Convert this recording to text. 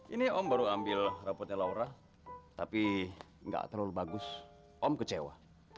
ini om baru ambil robotnya laura tapi nggak terlalu bagus om kecewa